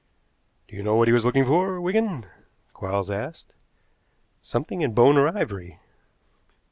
"Do you know what he was looking for, Wigan?" Quarles asked. "Something in bone or ivory."